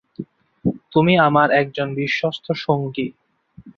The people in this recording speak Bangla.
তুমি আমার একজন বিশ্বস্ত সঙ্গী।